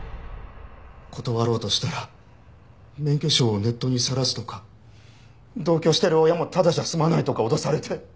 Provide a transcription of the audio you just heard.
断ろうとしたら免許証をネットにさらすとか同居してる親もただじゃ済まないとか脅されて。